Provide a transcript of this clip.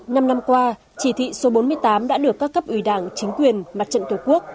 năm năm qua chỉ thị số bốn mươi tám đã được các cấp ủy đảng chính quyền mặt trận tổ quốc